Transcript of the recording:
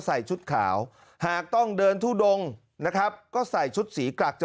ใส่ชุดขาวหากต้องเดินทุดงนะครับก็ใส่ชุดสีกรักจะ